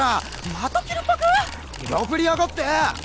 またキルパク！？漁夫りやがって！